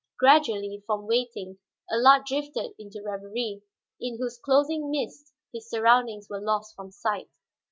Gradually, from waiting Allard drifted into reverie, in whose closing mists his surroundings were lost from sight.